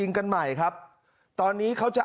มึงอยากให้ผู้ห่างติดคุกหรอ